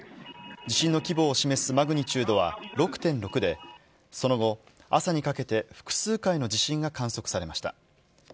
地震の規模を示すマグニチュードは６．６で、その後、朝にかけて、複数回の地震が観測されました。